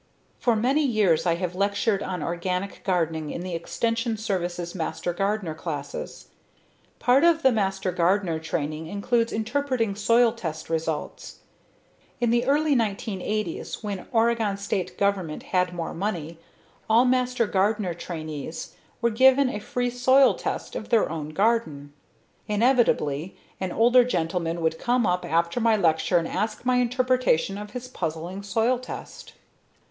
For many years I have lectured on organic gardening to the Extension Service's master gardener classes. Part of the master gardener training includes interpreting soil test results. In the early 1980s when Oregon State government had more money, all master gardener trainees were given a free soil test of their own garden. Inevitably, an older gentlemen would come up after my lecture and ask my interpretation of his puzzling soil test.